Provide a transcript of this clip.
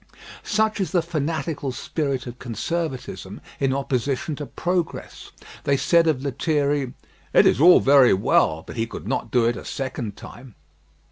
Such is the fanatical spirit of conservatism in opposition to progress. They said of Lethierry, "It is all very well; but he could not do it a second time."